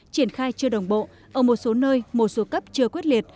triển khai chưa đồng bộ ở một số nơi một số cấp chưa quyết liệt